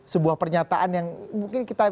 sebuah pernyataan yang mungkin kita